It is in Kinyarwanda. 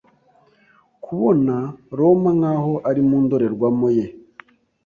Kubona Roma nkaho ari mu ndorerwamo ye